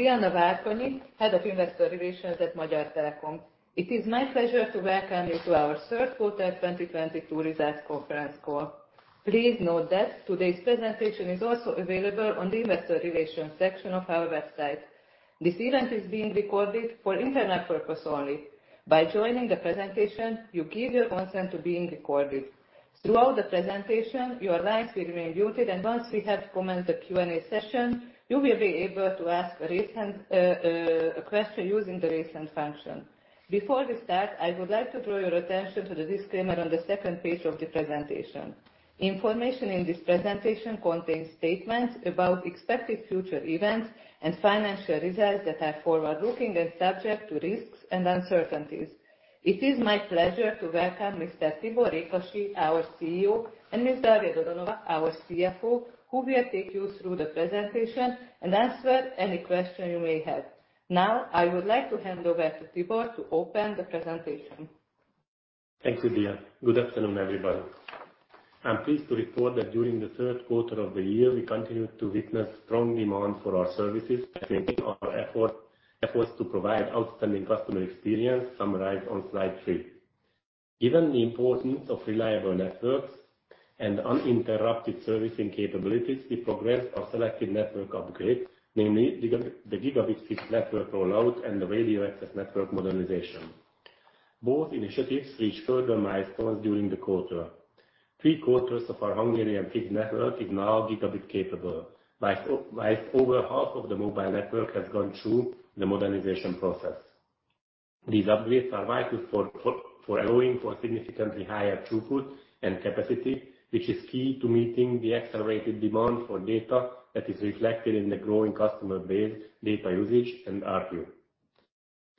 I'm Diana Várkonyi, Head of Investor Relations at Magyar Telekom. It is my pleasure to welcome you to our third quarter 2022 results conference call. Please note that today's presentation is also available on the investor relations section of our website. This event is being recorded for internal purpose only. By joining the presentation, you give your consent to being recorded. Throughout the presentation, your lines will remain muted, and once we have commenced the Q&A session, you will be able to ask a question using the Raise Hand function. Before we start, I would like to draw your attention to the disclaimer on the second page of the presentation. Information in this presentation contains statements about expected future events and financial results that are forward-looking and subject to risks and uncertainties. It is my pleasure to welcome Mr. Tibor Rékasi, our CEO, and Ms. Daria Dodonova, our CFO, who will take you through the presentation and answer any question you may have. I would like to hand over to Tibor to open the presentation. Thank you, Dia. Good afternoon, everybody. I'm pleased to report that during the third quarter of the year, we continued to witness strong demand for our services, reflecting our efforts to provide outstanding customer experience summarized on slide three. Given the importance of reliable networks and uninterrupted servicing capabilities, we progress our selected network upgrades, namely the gigabit fixed network rollout and the radio access network modernization. Both initiatives reached further milestones during the quarter. Three-quarters of our Hungarian fixed network is now gigabit capable, whilst over half of the mobile network has gone through the modernization process. These upgrades are vital for allowing for significantly higher throughput and capacity, which is key to meeting the accelerated demand for data that is reflected in the growing customer base, data usage and ARPU.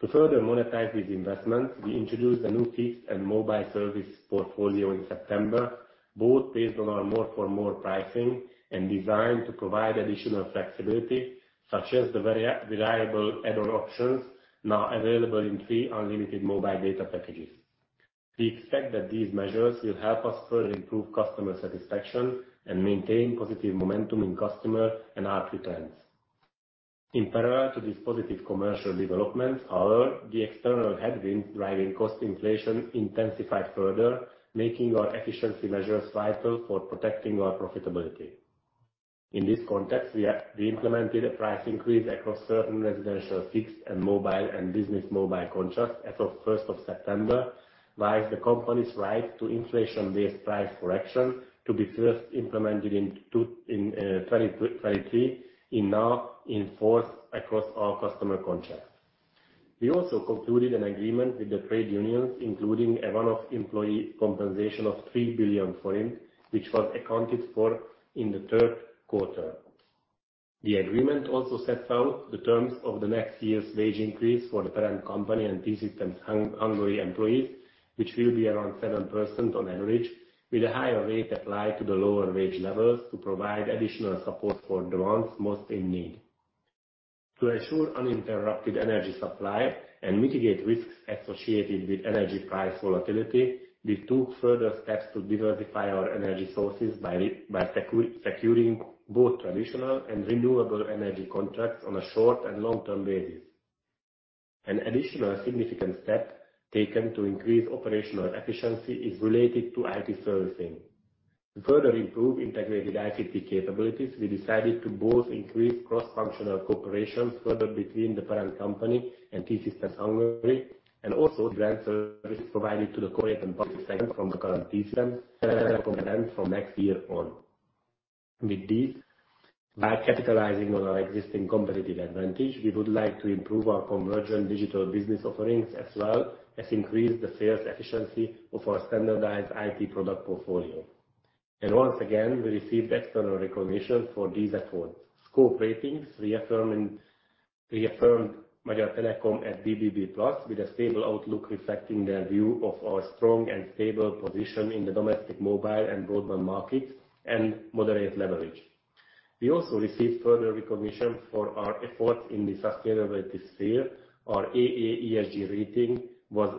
To further monetize these investments, we introduced a new fixed and mobile service portfolio in September, both based on our More for More pricing and designed to provide additional flexibility, such as the very reliable add-on options now available in three unlimited mobile data packages. We expect that these measures will help us further improve customer satisfaction and maintain positive momentum in customer and ARPU trends. In parallel to this positive commercial development, however, the external headwinds driving cost inflation intensified further, making our efficiency measures vital for protecting our profitability. In this context, we implemented a price increase across certain residential, fixed and mobile and business mobile contracts as of 1st of September, whilst the company's right to inflation-based price correction to be first implemented in 2023 is now in force across all customer contracts. We also concluded an agreement with the trade unions, including a one-off employee compensation of 3 billion forints, which was accounted for in the third quarter. The agreement also sets out the terms of the next year's wage increase for the parent company and T-Systems Hungary employees, which will be around 7% on average, with a higher rate applied to the lower wage levels to provide additional support for the ones most in need. To ensure uninterrupted energy supply and mitigate risks associated with energy price volatility, we took further steps to diversify our energy sources by securing both traditional and renewable energy contracts on a short and long-term basis. An additional significant step taken to increase operational efficiency is related to IT servicing. To further improve integrated ICT capabilities, we decided to both increase cross-functional cooperation further between the parent company and T-Systems Hungary, and also grant services provided to the corporate public sector from the current T-Systems from next year on. With this, by capitalizing on our existing competitive advantage, we would like to improve our convergent digital business offerings, as well as increase the sales efficiency of our standardized IT product portfolio. Once again, we received external recognition for these efforts. Scope Ratings reaffirmed Magyar Telekom as BBB+ with a stable outlook, reflecting their view of our strong and stable position in the domestic, mobile and broadband market and moderate leverage. We also received further recognition for our efforts in the sustainability sphere. Our AA ESG rating was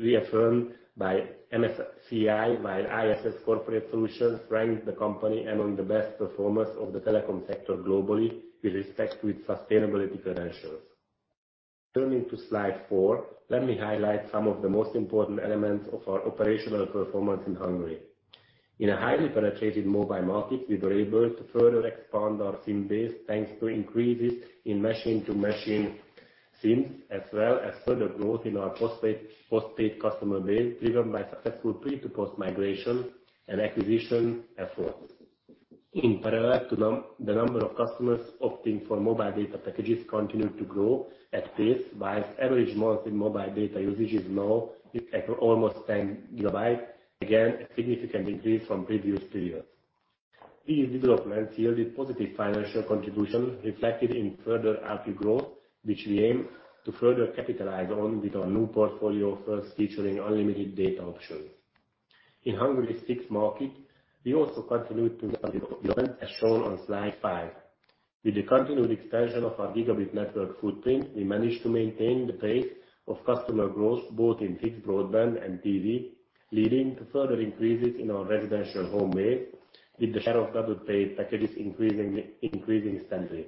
reaffirmed by MSCI, while ISS Corporate Solutions ranked the company among the best performers of the telecom sector globally with respect to its sustainability credentials. Turning to slide four, let me highlight some of the most important elements of our operational performance in Hungary. In a highly penetrated mobile market, we were able to further expand our SIM base, thanks to increases in machine-to-machine SIMs, as well as further growth in our postpaid customer base, driven by successful pre- to post-migration and acquisition efforts. In parallel to the number of customers opting for mobile data packages continued to grow at pace, whilst average monthly mobile data usage is now at almost 10 gigabytes, again, a significant increase from previous periods. These developments yielded positive financial contribution reflected in further ARPU growth, which we aim to further capitalize on with our new portfolio first featuring unlimited data options. In Hungary's fixed market, we also continued to With the share of double-play packages increasing steadily.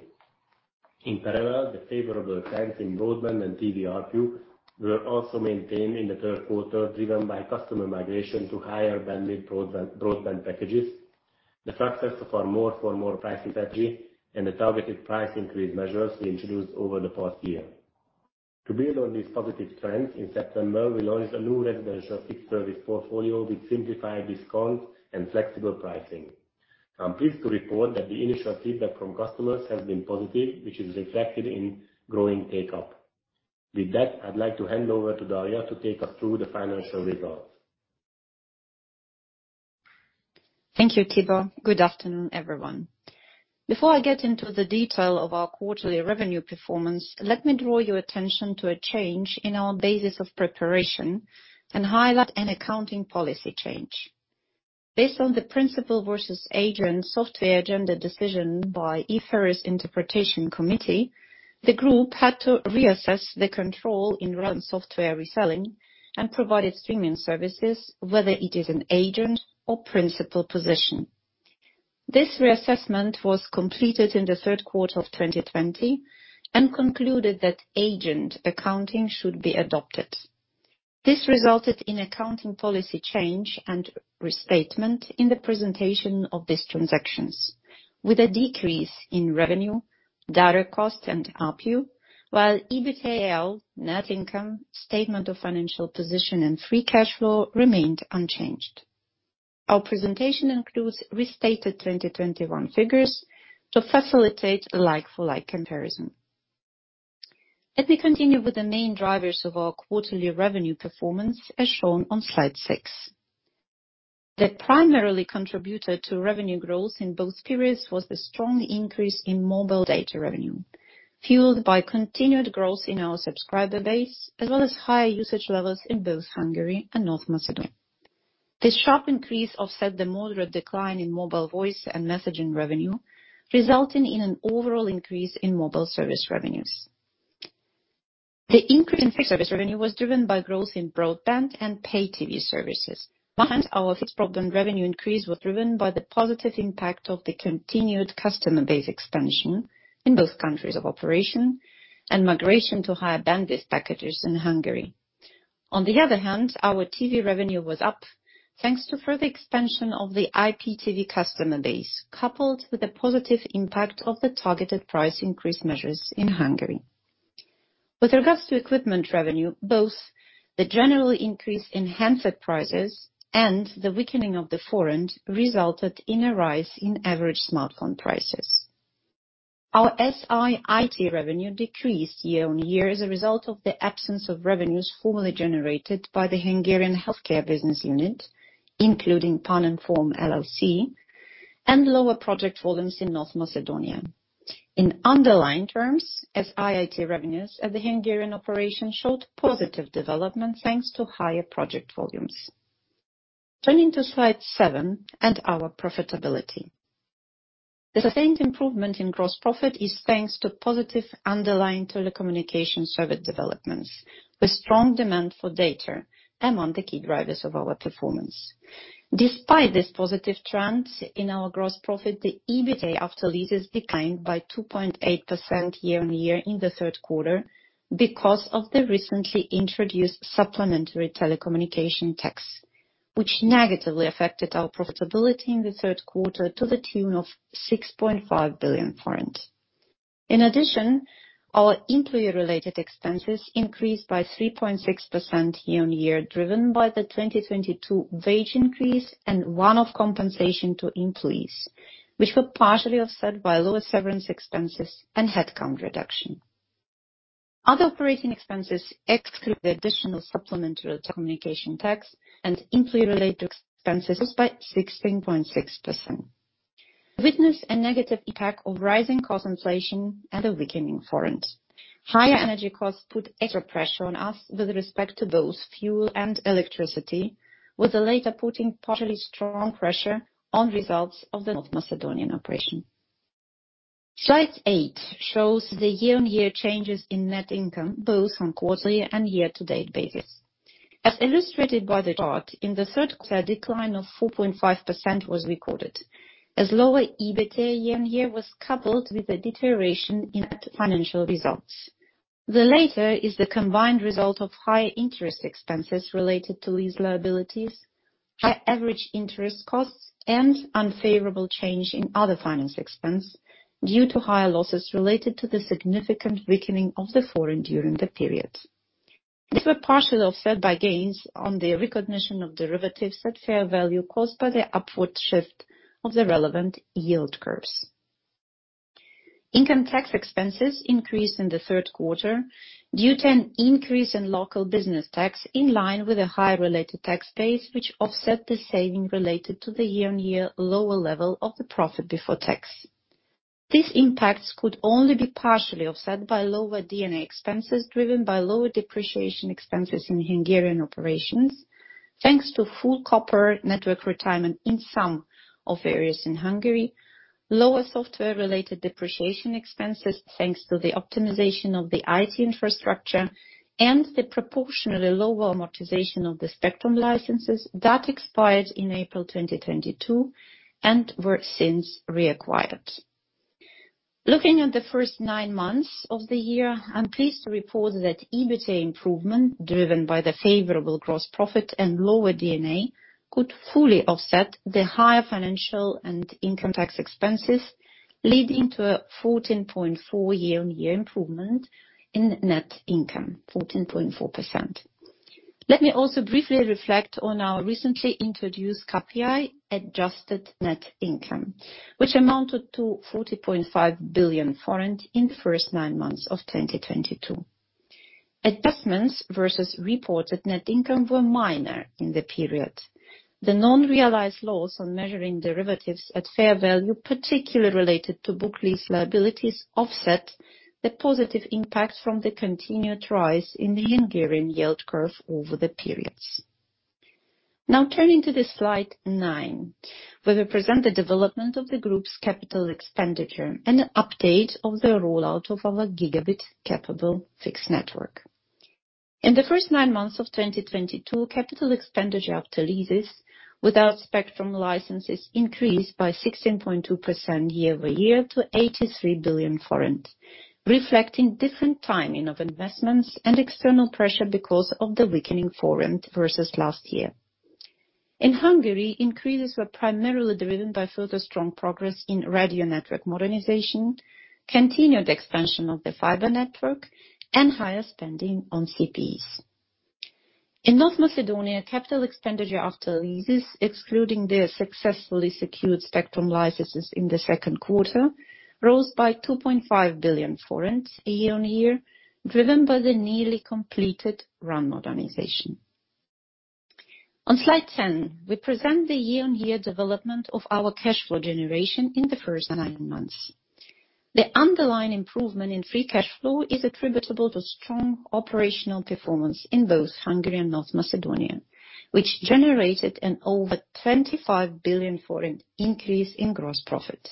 In parallel, the favorable trends in broadband and TV ARPU were also maintained in the third quarter, driven by customer migration to higher bandwidth broadband packages, the success of our More for More pricing strategy, and the targeted price increase measures we introduced over the past year. To build on these positive trends, in September, we launched a new residential fixed service portfolio with simplified discounts and flexible pricing. I'm pleased to report that the initial feedback from customers has been positive, which is reflected in growing take-up. With that, I'd like to hand over to Daria to take us through the financial results. Thank you, Tibor. Good afternoon, everyone. Before I get into the detail of our quarterly revenue performance, let me draw your attention to a change in our basis of preparation and highlight an accounting policy change. Based on the principal versus agent software agenda decision by IFRS Interpretations Committee, the Group had to reassess the control in-run software reselling and provided streaming services, whether it is an agent or principal position. This reassessment was completed in the third quarter of 2020 and concluded that agent accounting should be adopted. This resulted in accounting policy change and restatement in the presentation of these transactions. With a decrease in revenue, data cost, and ARPU, while EBITDA AL, net income, statement of financial position, and free cash flow remained unchanged. Our presentation includes restated 2021 figures to facilitate a like-for-like comparison. Let me continue with the main drivers of our quarterly revenue performance, as shown on slide six. The primarily contributor to revenue growth in both periods was the strong increase in mobile data revenue, fueled by continued growth in our subscriber base, as well as higher usage levels in both Hungary and North Macedonia. This sharp increase offset the moderate decline in mobile voice and messaging revenue, resulting in an overall increase in mobile service revenues. The increase in fixed service revenue was driven by growth in broadband and pay TV services. On one hand, our fixed broadband revenue increase was driven by the positive impact of the continued customer base expansion in both countries of operation and migration to higher bandwidth packages in Hungary. On the other hand, our TV revenue was up thanks to further expansion of the IPTV customer base, coupled with the positive impact of the targeted price increase measures in Hungary. With regards to equipment revenue, both the general increase in handset prices and the weakening of the forint resulted in a rise in average smartphone prices. Our SI/IT revenue decreased year-on-year as a result of the absence of revenues formerly generated by the Hungarian healthcare business unit, including Pan-Inform LLC, and lower project volumes in North Macedonia. In underlying terms, SI/IT revenues at the Hungarian operation showed positive development, thanks to higher project volumes. Turning to slide seven and our profitability. The sustained improvement in gross profit is thanks to positive underlying telecommunication service developments, with strong demand for data among the key drivers of our performance. Despite this positive trend in our gross profit, the EBITDA after leases declined by 2.8% year-on-year in the third quarter because of the recently introduced supplementary telecommunication tax, which negatively affected our profitability in the third quarter to the tune of 6.5 billion forint. In addition, our employee-related expenses increased by 3.6% year-on-year, driven by the 2022 wage increase and one-off compensation to employees, which were partially offset by lower severance expenses and headcount reduction. Other operating expenses, ex the additional supplementary telecommunication tax and employee-related expenses, was by 16.6%. We witness a negative impact of rising cost inflation and a weakening forint. Higher energy costs put extra pressure on us with respect to both fuel and electricity, with the latter putting particularly strong pressure on results of the North Macedonian operation. Slide eight shows the year-on-year changes in net income, both on quarterly and year-to-date basis. As illustrated by the chart, in the third quarter, a decline of 4.5% was recorded, as lower EBITDA year-on-year was coupled with a deterioration in net financial results. The latter is the combined result of higher interest expenses related to lease liabilities, high average interest costs, and unfavorable change in other finance expense due to higher losses related to the significant weakening of the forint during the period. These were partially offset by gains on the recognition of derivatives at fair value caused by the upward shift of the relevant yield curves. Income tax expenses increased in the third quarter due to an increase in local business tax in line with a high related tax base, which offset the saving related to the year-on-year lower level of the profit before tax. These impacts could only be partially offset by lower D&A expenses driven by lower depreciation expenses in Hungarian operations, thanks to full copper network retirement in some of areas in Hungary, lower software-related depreciation expenses thanks to the optimization of the IT infrastructure, and the proportionally lower amortization of the spectrum licenses that expired in April 2022 and were since reacquired. Looking at the first nine months of the year, I'm pleased to report that EBITA improvement, driven by the favorable gross profit and lower D&A, could fully offset the higher financial and income tax expenses, leading to a 14.4% year-on-year improvement in net income. Let me also briefly reflect on our recently introduced KPI adjusted net income, which amounted to 40.5 billion in the first nine months of 2022. Adjustments versus reported net income were minor in the period. The non-realized loss on measuring derivatives at fair value, particularly related to book lease liabilities, offset the positive impact from the continued rise in the Hungarian yield curve over the periods. Turning to the slide nine, we represent the development of the group's capital expenditure and an update of the rollout of our gigabit-capable fixed network. In the first nine months of 2022, capital expenditure after leases without spectrum licenses increased by 16.2% year-over-year to 83 billion forint, reflecting different timing of investments and external pressure because of the weakening forint versus last year. In Hungary, increases were primarily driven by further strong progress in radio network modernization, continued expansion of the fiber network, and higher spending on CPEs. In North Macedonia, capital expenditure after leases, excluding the successfully secured spectrum licenses in the second quarter, rose by 2.5 billion forints year-on-year, driven by the nearly completed RAN modernization. On slide 10, we present the year-on-year development of our cash flow generation in the first nine months. The underlying improvement in free cash flow is attributable to strong operational performance in both Hungary and North Macedonia, which generated an over 25 billion increase in gross profit.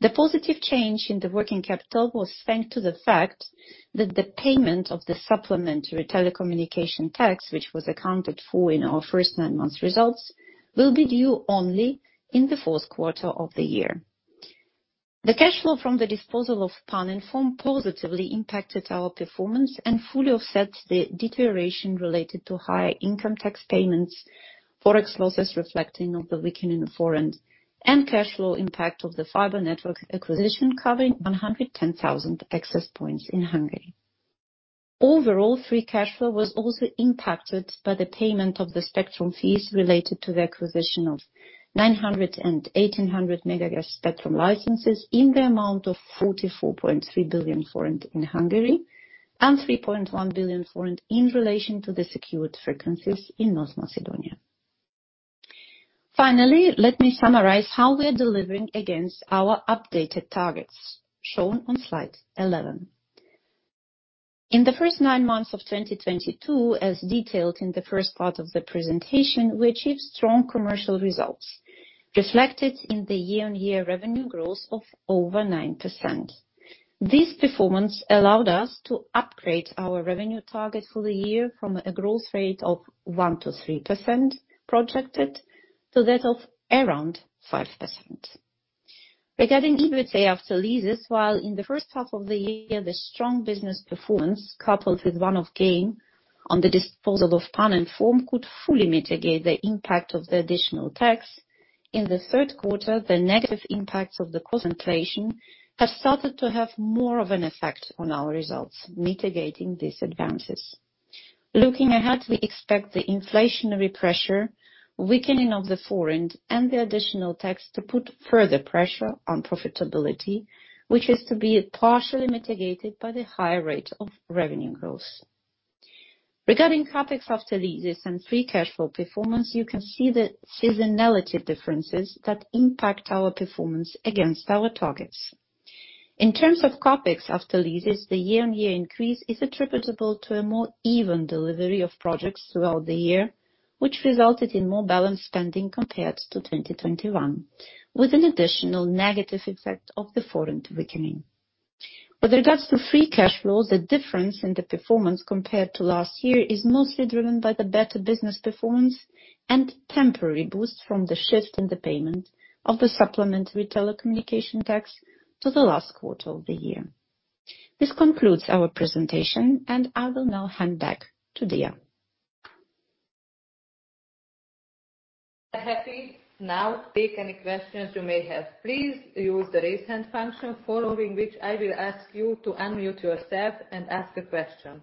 The positive change in the working capital was thanks to the fact that the payment of the supplementary telecommunication tax, which was accounted for in our first nine months results, will be due only in the fourth quarter of the year. The cash flow from the disposal of Pan-Inform positively impacted our performance and fully offset the deterioration related to higher income tax payments, Forex losses reflecting on the weakening forint, and cash flow impact of the fiber network acquisition covering 110,000 access points in Hungary. Overall, free cash flow was also impacted by the payment of the spectrum fees related to the acquisition of 900 and 1800 megahertz spectrum licenses in the amount of 44.3 billion forint in Hungary, and 3.1 billion forint in relation to the secured frequencies in North Macedonia. Finally, let me summarize how we are delivering against our updated targets shown on slide 11. In the first nine months of 2022, as detailed in the first part of the presentation, we achieved strong commercial results reflected in the year-on-year revenue growth of over 9%. This performance allowed us to upgrade our revenue target for the year from a growth rate of 1%-3% projected, to that of around 5%. Regarding EBITA after leases, while in the first half of the year, the strong business performance coupled with one-off gain on the disposal of Pan-Inform could fully mitigate the impact of the additional tax. In the third quarter, the negative impacts of the cost inflation have started to have more of an effect on our results, mitigating these advances. Looking ahead, we expect the inflationary pressure, weakening of the forint, and the additional tax to put further pressure on profitability, which is to be partially mitigated by the higher rate of revenue growth. Regarding CapEx after leases and free cash flow performance, you can see the seasonality differences that impact our performance against our targets. In terms of CapEx after leases, the year-on-year increase is attributable to a more even delivery of projects throughout the year, which resulted in more balanced spending compared to 2021, with an additional negative effect of the forint weakening. With regards to free cash flow, the difference in the performance compared to last year is mostly driven by the better business performance and temporary boost from the shift in the payment of the supplementary telecommunication tax to the last quarter of the year. This concludes our presentation, and I will now hand back to Dia. I am happy to now take any questions you may have. Please use the raise hand function, following which I will ask you to unmute yourself and ask a question.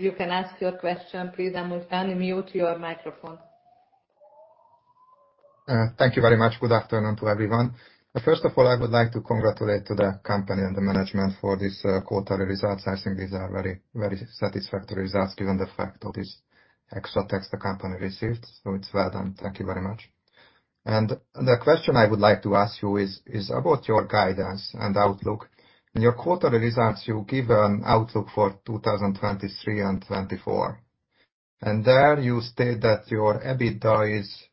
You can ask your question, please unmute your microphone. Thank you very much. Good afternoon to everyone. First of all, I would like to congratulate to the company and the management for this quarterly results. I think these are very satisfactory results given the fact of this extra tax the company received. It's well done. Thank you very much. The question I would like to ask you is about your guidance and outlook. In your quarterly results, you give an outlook for 2023 and 2024. There you state that your EBITDA is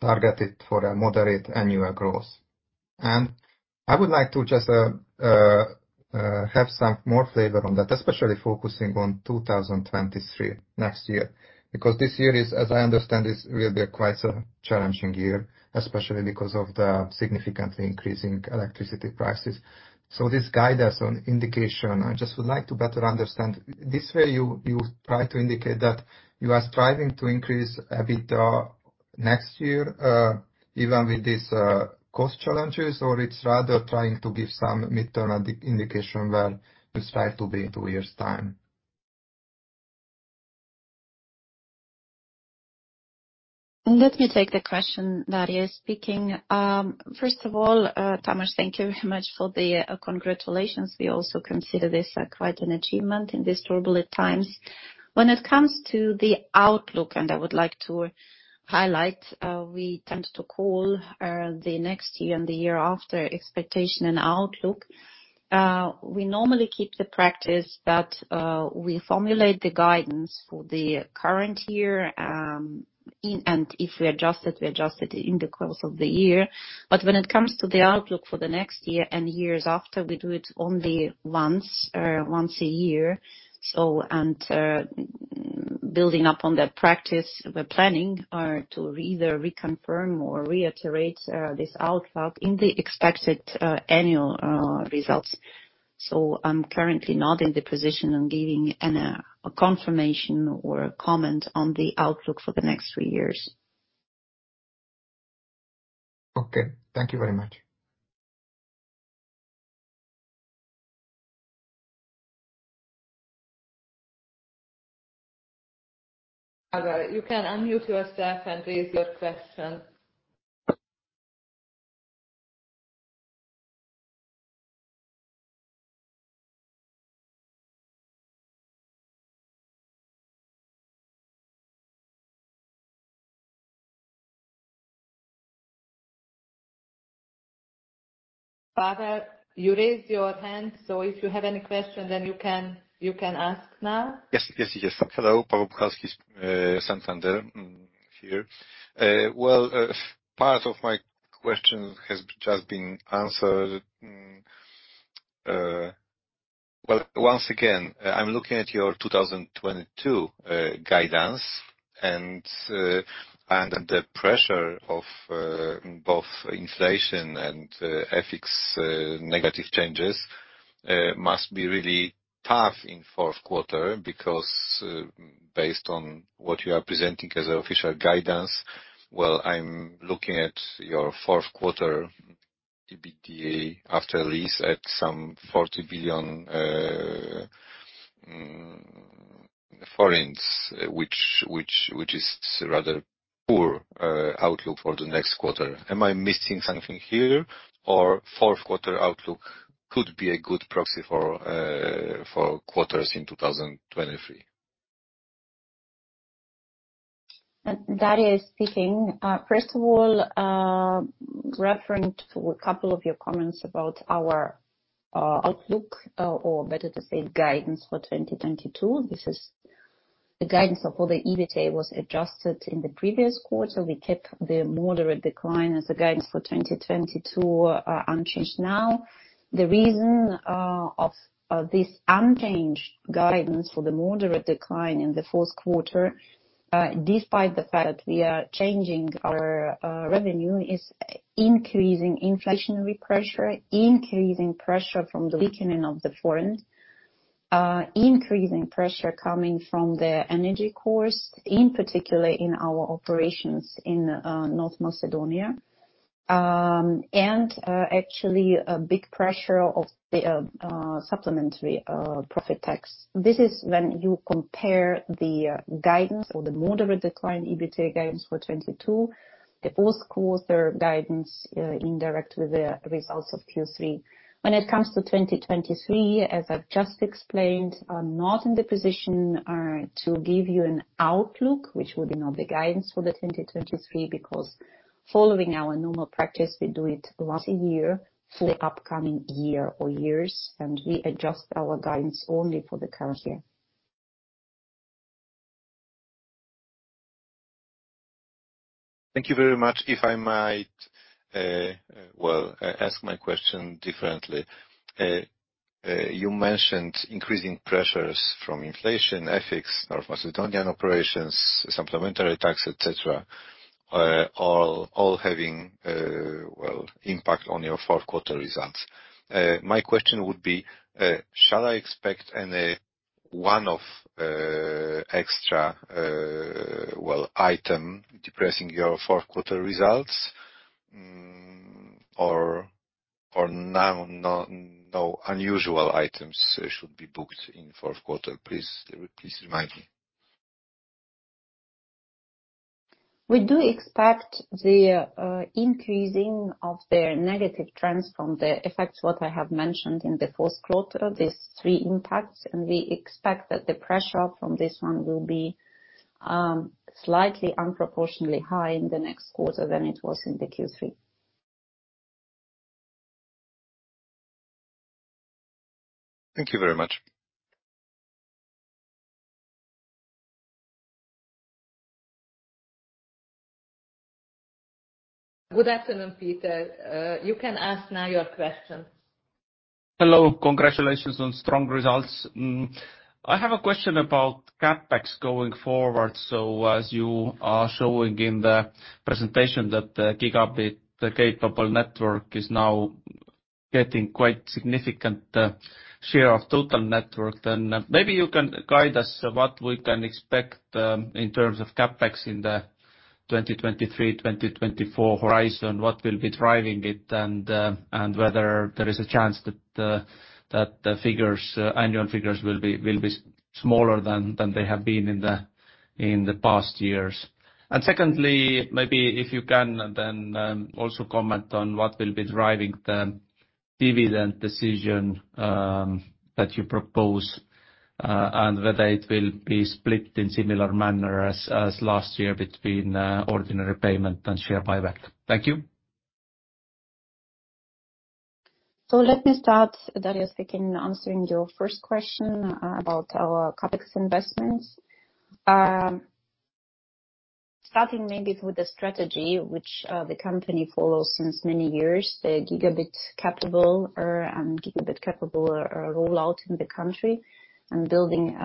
targeted for a moderate annual growth. I would like to just have some more flavor on that, especially focusing on 2023, next year, because this year, as I understand, will be quite a challenging year, especially because of the significantly increasing electricity prices. This guidance on indication, I just would like to better understand. This way, you try to indicate that you are striving to increase EBITDA next year even with these cost challenges, or it's rather trying to give some midterm indication where you strive to be in two years' time. Let me take the question. Daria speaking. First of all, Tamas, thank you very much for the congratulations. We also consider this quite an achievement in these turbulent times. When it comes to the outlook, I would like to highlight, we tend to call the next year and the year after expectation and outlook. We normally keep the practice that we formulate the guidance for the current year, and if we adjust it, we adjust it in the course of the year. When it comes to the outlook for the next year and years after, we do it only once a year. Building up on that practice, we're planning to either reconfirm or reiterate this outlook in the expected annual results. I'm currently not in the position on giving any confirmation or comment on the outlook for the next three years. Okay. Thank you very much. You can unmute yourself and raise your question. Pavel, you raised your hand, so if you have any question, you can ask now. Yes. Hello. Pavel Vyslan, Santander here. Well, part of my question has just been answered. Well, once again, I'm looking at your 2022 guidance. The pressure of both inflation and FX negative changes must be really tough in fourth quarter because based on what you are presenting as official guidance, well, I'm looking at your fourth quarter EBITDA after lease at some 40 billion, which is rather poor outlook for the next quarter. Am I missing something here? Fourth quarter outlook could be a good proxy for quarters in 2023? Daria speaking. First of all, referring to a couple of your comments about our outlook, or better to say, guidance for 2022. This is the guidance of all the EBITDA was adjusted in the previous quarter. We kept the moderate decline as the guidance for 2022 unchanged now. The reason of this unchanged guidance for the moderate decline in the fourth quarter, despite the fact we are changing our revenue, is increasing inflationary pressure, increasing pressure from the weakening of the forint, increasing pressure coming from the energy costs, in particular in our operations in North Macedonia. Actually, a big pressure of the supplementary profit tax. This is when you compare the guidance. The moderate decline EBITDA guidance for 2022, the first quarter guidance indirect with the results of Q3. When it comes to 2023, as I've just explained, I'm not in the position to give you an outlook, which would be not the guidance for the 2023. Following our normal practice, we do it once a year for the upcoming year or years. We adjust our guidance only for the current year. Thank you very much. If I might, well, ask my question differently. You mentioned increasing pressures from inflation, FX, North Macedonian operations, Supplementary tax, et cetera, all having impact on your fourth quarter results. My question would be, shall I expect any one-off extra item depressing your fourth quarter results or no unusual items should be booked in fourth quarter? Please remind me. We do expect the increasing of the negative trends from the effects, what I have mentioned in the fourth quarter, these three impacts, and we expect that the pressure from this one will be slightly unproportionately high in the next quarter than it was in the Q3. Thank you very much. Good afternoon, Peter. You can ask now your questions. Hello. Congratulations on strong results. I have a question about CapEx going forward. As you are showing in the presentation that the gigabit-capable network is now getting quite significant share of total network, maybe you can guide us what we can expect in terms of CapEx in the 2023/2024 horizon, what will be driving it, and whether there is a chance that the annual figures will be smaller than they have been in the past years. Secondly, maybe if you can also comment on what will be driving the dividend decision that you propose and whether it will be split in similar manner as last year between ordinary payment and share buyback. Thank you. Let me start, Daria, again, answering your first question about our CapEx investments. Starting maybe with the strategy which the company follows since many years, the gigabit-capable rollout in the country, and building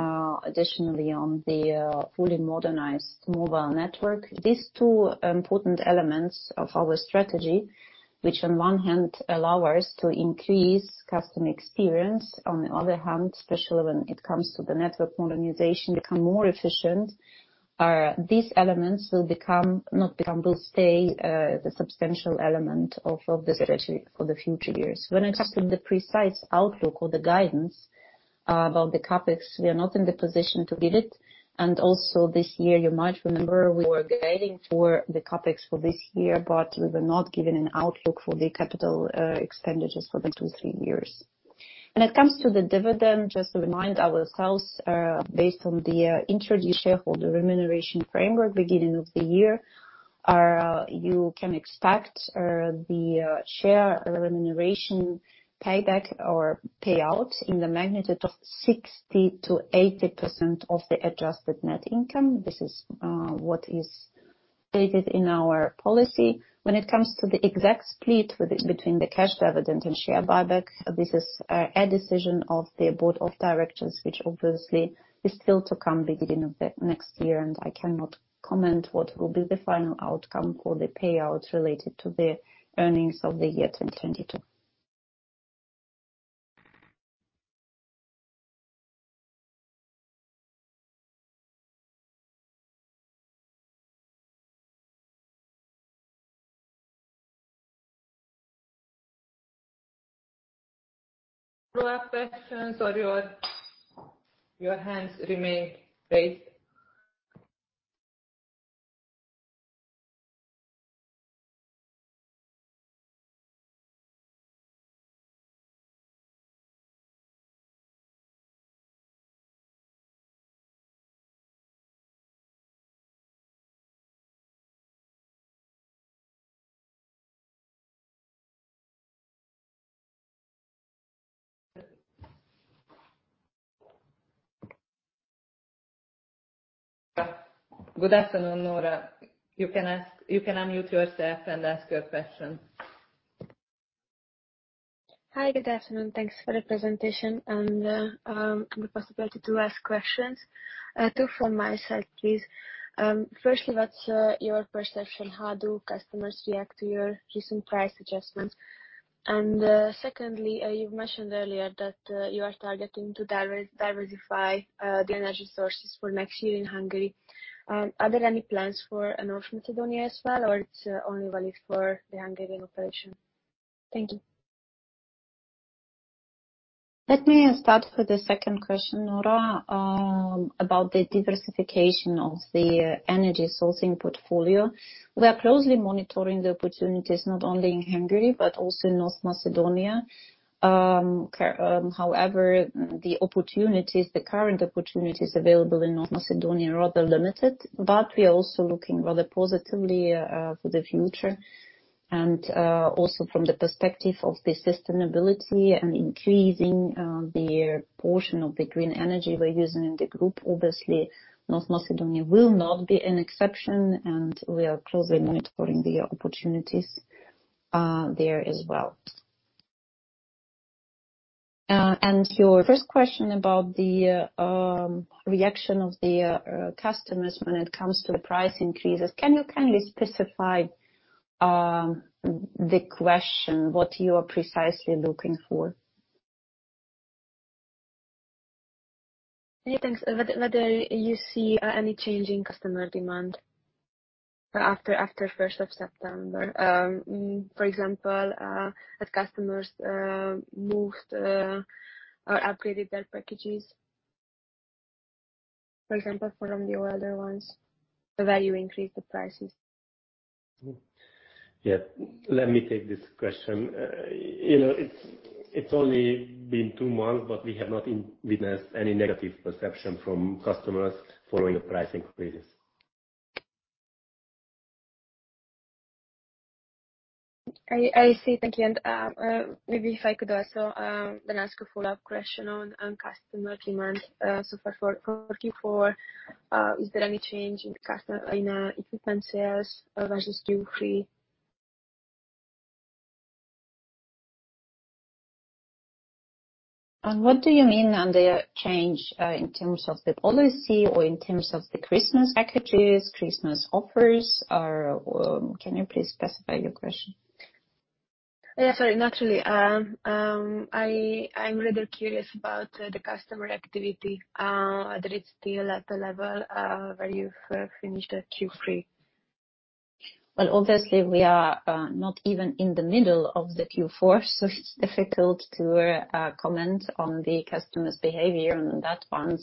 additionally on the fully modernized mobile network. These two important elements of our strategy, which on one hand allow us to increase customer experience, on the other hand, especially when it comes to the network modernization, become more efficient. These elements will stay the substantial element of the strategy for the future years. When it comes to the precise outlook or the guidance about the CapEx, we are not in the position to give it. Also this year, you might remember we were guiding for the CapEx for this year, but we were not giving an outlook for the capital expenditures for the two, three years. When it comes to the dividend, just to remind ourselves, based on the introduced shareholder remuneration framework beginning of the year, you can expect the share remuneration payback or payout in the magnitude of 60%-80% of the adjusted net income. This is what is stated in our policy. When it comes to the exact split between the cash dividend and share buyback, this is a decision of the board of directors, which obviously is still to come beginning of the next year, and I cannot comment what will be the final outcome for the payout related to the earnings of the year 2022. Follow-up questions or your hands remain raised? Good afternoon, Nora. You can unmute yourself and ask your question. Hi, good afternoon. Thanks for the presentation and the possibility to ask questions. Two from my side, please. Firstly, what's your perception? How do customers react to your recent price adjustments? Secondly, you've mentioned earlier that you are targeting to diversify the energy sources for next year in Hungary. Are there any plans for North Macedonia as well, or it's only valid for the Hungarian operation? Thank you. Let me start with the second question, Nora, about the diversification of the energy sourcing portfolio. We are closely monitoring the opportunities not only in Hungary, but also in North Macedonia. However, the current opportunities available in North Macedonia are rather limited. We are also looking rather positively for the future and also from the perspective of the sustainability and increasing the portion of the green energy we're using in the group. Obviously, North Macedonia will not be an exception, and we are closely monitoring the opportunities there as well. Your first question about the reaction of the customers when it comes to price increases. Can you kindly specify the question, what you are precisely looking for? Yeah, thanks. Whether you see any change in customer demand after 1st of September. For example, if customers moved or upgraded their packages. For example, from the older ones where you increased the prices. Yeah. Let me take this question. It's only been two months, but we have not witnessed any negative perception from customers following the pricing increases. I see. Thank you. Maybe if I could also then ask a follow-up question on customer demand so far for Q4. Is there any change in equipment sales versus Q3? What do you mean on the change in terms of the policy or in terms of the Christmas packages, Christmas offers? Can you please specify your question? Yeah, sorry. No, truly. I'm rather curious about the customer activity. That it's still at the level where you've finished at Q3. Well, obviously, we are not even in the middle of the Q4, so it's difficult to comment on the customer's behavior on that one.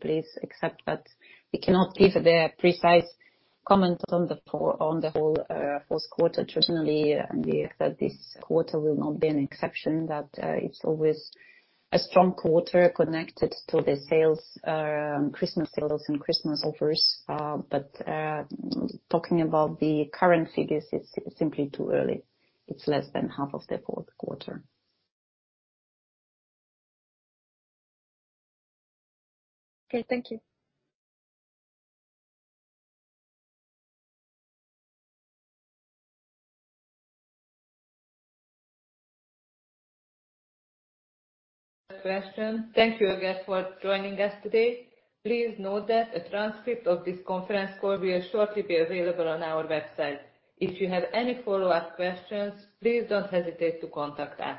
Please accept that we cannot give the precise comment on the whole fourth quarter traditionally, and this quarter will not be an exception, that it's always a strong quarter connected to the Christmas sales and Christmas offers. Talking about the current figures, it's simply too early. It's less than half of the fourth quarter. Okay. Thank you. Question. Thank you again for joining us today. Please note that a transcript of this conference call will shortly be available on our website. If you have any follow-up questions, please don't hesitate to contact us.